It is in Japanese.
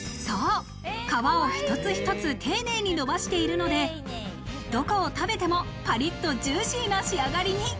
皮を一つ一つ丁寧にのばしているので、どこを食べてもパリっとジューシーな仕上がりに。